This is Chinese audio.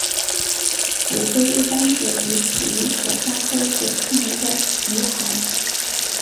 骨灰一般指遗体于火葬后所剩余的遗骸。